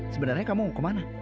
sebenarnya kamu kemana